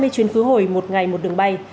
hai mươi chuyến khứ hồi một ngày một đường bay